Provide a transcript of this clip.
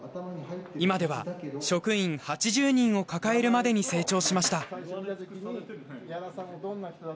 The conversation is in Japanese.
今では職員８０人を抱えるまでに成長しました。